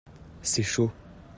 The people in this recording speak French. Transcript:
c'est chaud.